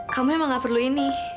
kamu emang gak perlu ini